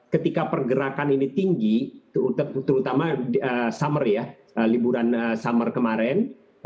ketika pergerakan ini tinggi terutama summer ya liburan summer kemarin